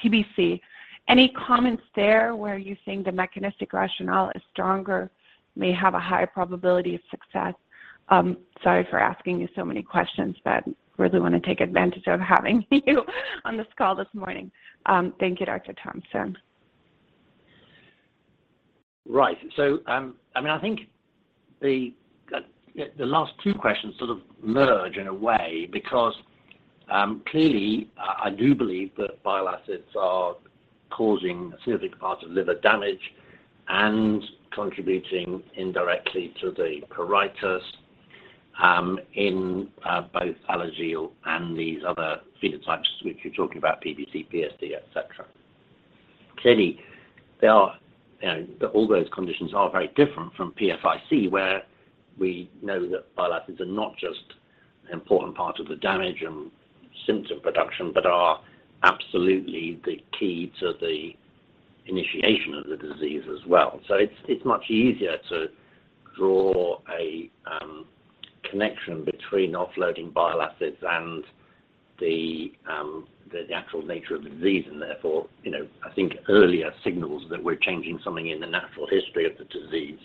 PBC. Any comments there where you think the mechanistic rationale is stronger, may have a higher probability of success? Sorry for asking you so many questions, but really want to take advantage of having you on this call this morning. Thank you, Dr. Thompson. Right. I mean, I think the last two questions sort of merge in a way because clearly I do believe that bile acids are causing a significant part of liver damage and contributing indirectly to the pruritus in both Alagille and these other phenotypes, which you're talking about, PBC, PSC, et cetera. Clearly, they are, you know, all those conditions are very different from PFIC, where we know that bile acids are not just an important part of the damage and symptom production, but are absolutely the key to the initiation of the disease as well. It's much easier to draw a connection between offloading bile acids and the actual nature of the disease and therefore, you know, I think earlier signals that we're changing something in the natural history of the disease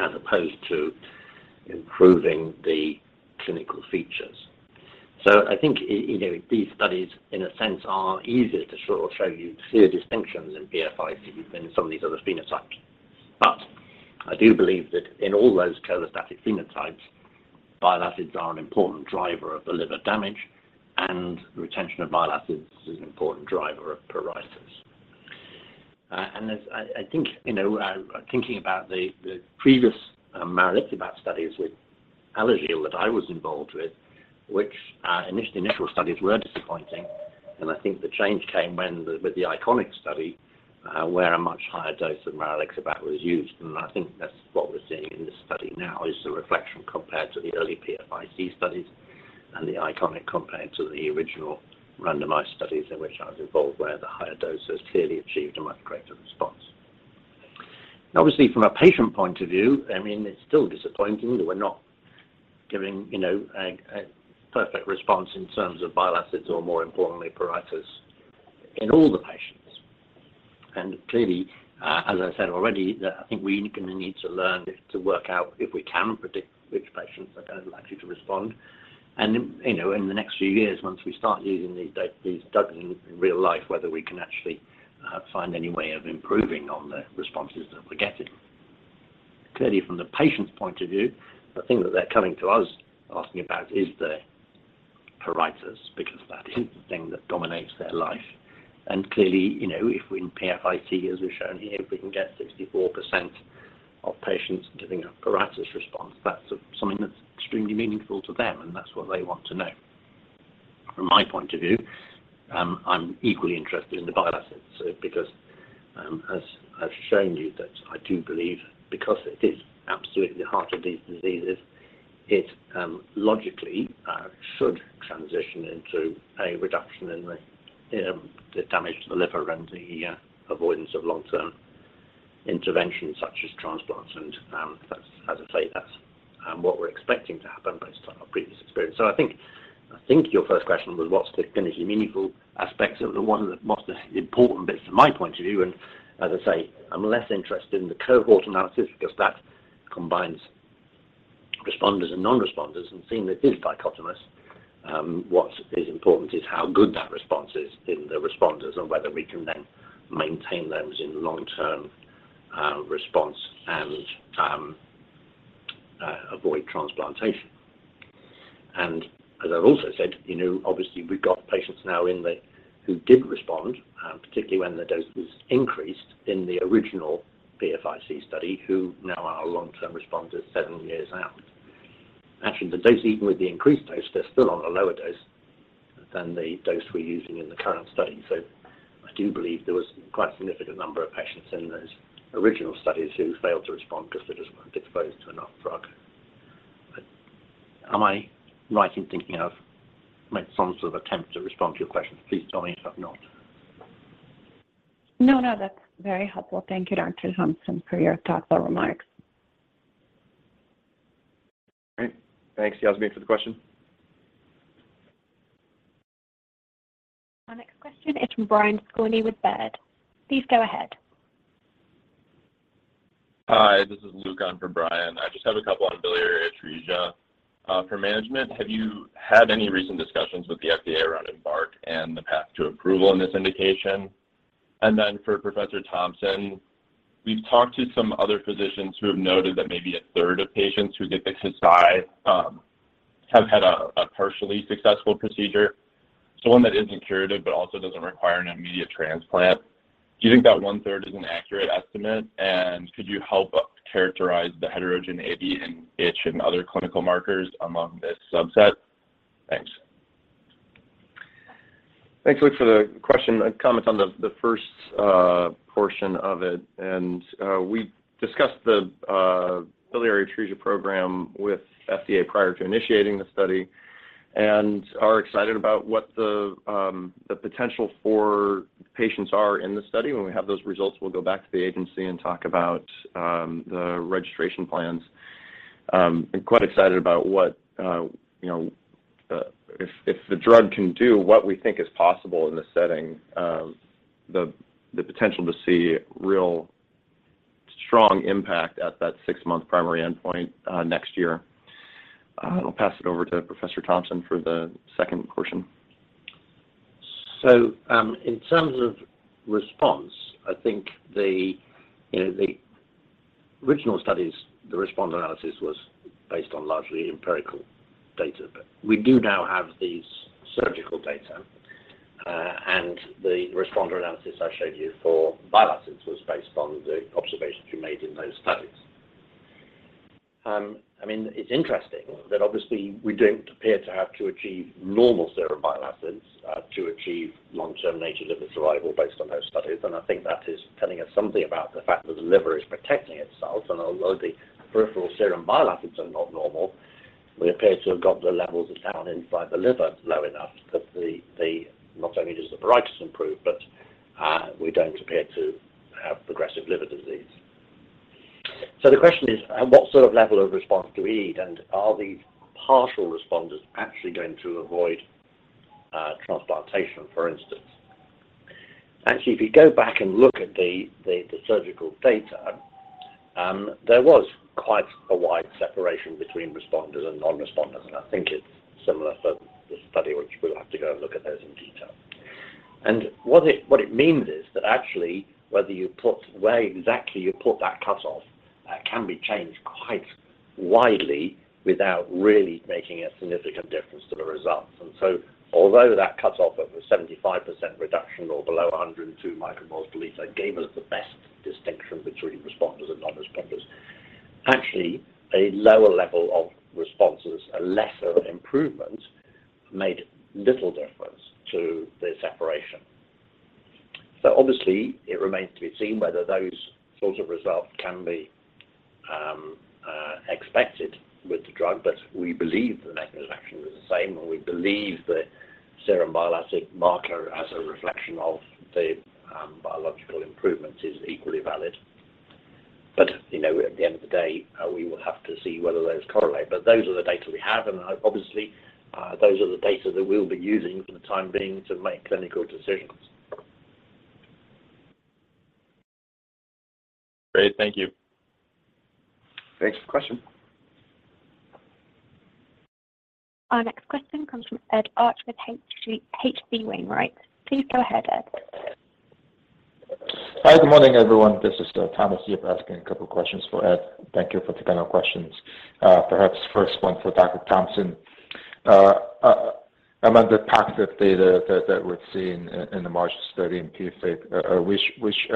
as opposed to improving the clinical features. I think, you know, these studies, in a sense, are easier to sort of show you clear distinctions in PFIC than in some of these other phenotypes. I do believe that in all those cholestatic phenotypes, bile acids are an important driver of the liver damage, and the retention of bile acids is an important driver of pruritus. As I think, you know, thinking about the previous maralixibat studies with Alagille that I was involved with, which initial studies were disappointing. I think the change came when with the ICONIC study, where a much higher dose of maralixibat was used. I think that's what we're seeing in this study now is the reflection compared to the early PFIC studies and the ICONIC compared to the original randomized studies in which I was involved, where the higher dose has clearly achieved a much greater response. Obviously, from a patient point of view, I mean, it's still disappointing that we're not giving, you know, a perfect response in terms of bile acids or more importantly, pruritus in all the patients. Clearly, as I said already, that I think we're gonna need to learn to work out if we can predict which patients are likely to respond. You know, in the next few years, once we start using these drugs in real life, whether we can actually find any way of improving on the responses that we're getting. Clearly, from the patient's point of view, the thing that they're coming to us asking about is the pruritus because that is the thing that dominates their life. Clearly, you know, if we in PFIC, as we've shown here, if we can get 64% of patients giving a pruritus response, that's something that's extremely meaningful to them, and that's what they want to know. From my point of view, I'm equally interested in the bile acids because, as I've shown you that I do believe because it is absolutely the heart of these diseases, it, logically, should transition into a reduction in the damage to the liver and the, avoidance of long-term interventions such as transplants. That's as I say, what we're expecting to happen based on our previous experience. I think your first question was what's the clinically meaningful aspects of the one of the most important bits from my point of view. As I say, I'm less interested in the cohort analysis because that combines responders and non-responders, and seeing that it is dichotomous, what is important is how good that response is in the responders and whether we can then maintain those in long-term response and avoid transplantation. As I've also said, you know, obviously we've got patients now who did respond, particularly when the dose was increased in the original PFIC study, who now are long-term responders 7 years out. Actually, the dose, even with the increased dose, they're still on a lower dose than the dose we're using in the current study. I do believe there was quite a significant number of patients in those original studies who failed to respond because they just weren't exposed to enough drug. Am I right in thinking I've made some sort of attempt to respond to your question? Please tell me if I've not. No, no, that's very helpful. Thank you, Dr. Thompson, for your thoughtful remarks. Great. Thanks, Yasmeen, for the question. Our next question is from Brian Skorney with Baird. Please go ahead. Hi, this is Luke on for Brian. I just have a couple on biliary atresia. For management, have you had any recent discussions with the FDA around EMBARK and the path to approval in this indication? For Professor Thompson, we've talked to some other physicians who have noted that maybe a third of patients who get the Kasai have had a partially successful procedure, so one that isn't curative but also doesn't require an immediate transplant. Do you think that one-third is an accurate estimate? Could you help characterize the heterogeneity in itch and other clinical markers among this subset? Thanks. Thanks, Luke, for the question and comments on the first portion of it. We discussed the biliary atresia program with FDA prior to initiating the study and are excited about what the potential for patients are in the study. When we have those results, we'll go back to the agency and talk about the registration plans. I'm quite excited about what you know if the drug can do what we think is possible in this setting, the potential to see real strong impact at that six-month primary endpoint next year. I'll pass it over to Professor Thompson for the second portion. In terms of response, I think the you know the original studies, the responder analysis was based on largely empirical data. We do now have these surgical data, and the responder analysis I showed you for bile acids was based on the observations we made in those studies. I mean, it's interesting that obviously we don't appear to have to achieve normal serum bile acids to achieve long-term native liver survival based on those studies. I think that is telling us something about the fact that the liver is protecting itself. Although the peripheral serum bile acids are not normal, we appear to have got the levels down inside the liver low enough that not only does the pruritus improve, but we don't appear to have progressive liver disease. The question is, what sort of level of response do we need? Are these partial responders actually going to avoid transplantation, for instance? Actually, if you go back and look at the surgical data, there was quite a wide separation between responders and non-responders, and I think it's similar for this study, which we'll have to go and look at those in detail. What it means is that actually where exactly you put that cutoff can be changed quite widely without really making a significant difference to the results. Although that cutoff of a 75% reduction or below 102 micromoles per liter gave us the best distinction between responders and non-responders, actually a lower level of responses, a lesser improvement, made little difference to the separation. Obviously it remains to be seen whether those sorts of results can be expected with the drug. We believe the mechanism of action is the same, and we believe the serum bile acid marker as a reflection of the biological improvement is equally valid. You know, at the end of the day, we will have to see whether those correlate. Those are the data we have, and obviously, those are the data that we'll be using for the time being to make clinical decisions. Great. Thank you. Thanks for the question. Our next question comes from Ed Arce with H.C. Wainwright. Please go ahead, Ed. Hi. Good morning, everyone. This is Thomas here asking a couple questions for Ed. Thank you for taking our questions. Perhaps first one for Dr. Thompson. Among the positive data that we're seeing in the MARCH study in PFIC, which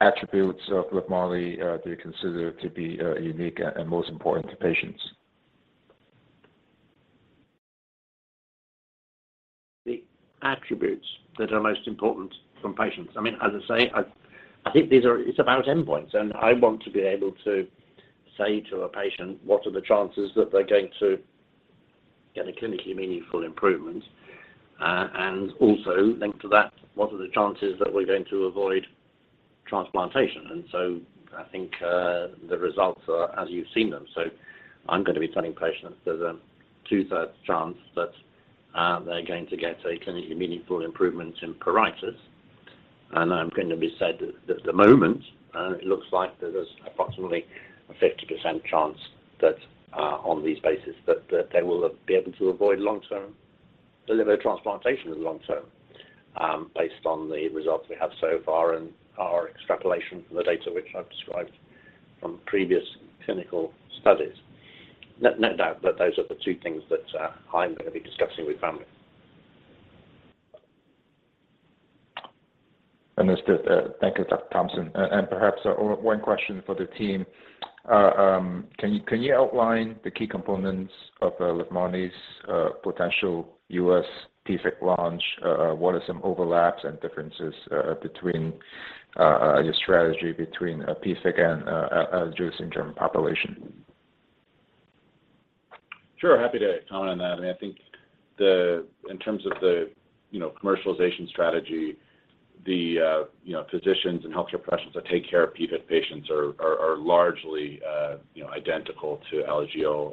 attributes of Livmarli do you consider to be unique and most important to patients? The attributes that are most important from patients. I mean, as I say, I think it's about endpoints, and I want to be able to say to a patient what are the chances that they're going to get a clinically meaningful improvement, and also linked to that, what are the chances that we're going to avoid transplantation. I think the results are as you've seen them. I'm gonna be telling patients there's a two-thirds chance that they're going to get a clinically meaningful improvement in pruritus. I'm going to say that at the moment, it looks like there's approximately a 50% chance that on this basis that they will be able to avoid long-term liver transplantation in the long term, based on the results we have so far and our extrapolation from the data which I've described from previous clinical studies. No doubt that those are the two things that I'm gonna be discussing with families. Understood. Thank you, Dr. Thompson. Perhaps one question for the team. Can you outline the key components of Livmarli's potential U.S. PFIC launch? What are some overlaps and differences between your strategy between PFIC and Alagille syndrome population? Sure. Happy to comment on that. I mean, I think in terms of the commercialization strategy, you know, physicians and healthcare professionals that take care of PFIC patients are largely identical to ALGS.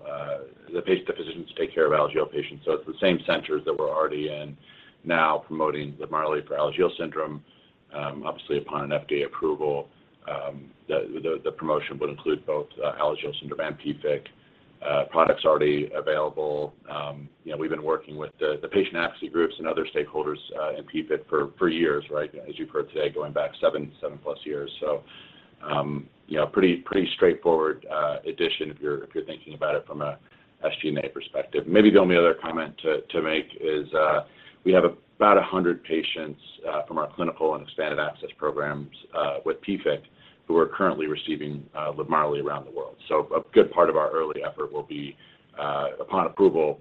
The physicians take care of ALGS patients. It's the same centers that we're already in now promoting Livmarli for Alagille syndrome. Obviously upon an FDA approval, the promotion would include both ALGS syndrome and PFIC products already available. You know, we've been working with the patient advocacy groups and other stakeholders in PFIC for years, right? As you've heard today, going back 7+ years. You know, pretty straightforward addition if you're thinking about it from a SG&A perspective. Maybe the only other comment to make is, we have about 100 patients from our clinical and expanded access programs with PFIC who are currently receiving Livmarli around the world. A good part of our early effort will be upon approval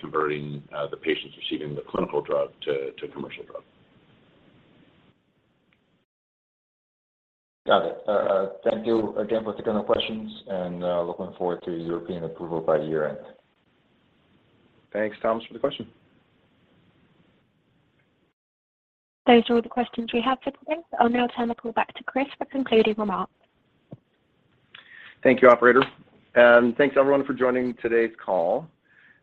converting the patients receiving the clinical drug to commercial drug. Got it. Thank you again for taking our questions, and looking forward to European approval by year-end. Thanks, Thomas, for the question. Those are all the questions we have for today. I'll now turn the call back to Chris for concluding remarks. Thank you, operator, and thanks everyone for joining today's call.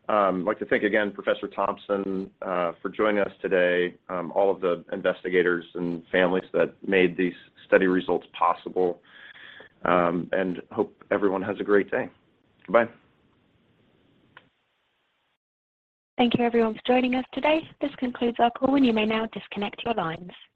I'd like to thank again Professor Thompson for joining us today, all of the investigators and families that made these study results possible, and hope everyone has a great day. Bye. Thank you everyone for joining us today. This concludes our call, and you may now disconnect your lines.